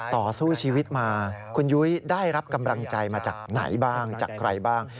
ต่อสู้ชีวิตมาคุณยุ้ยได้รับกำลังใจมาจากไหนบ้างจากใครบ้าง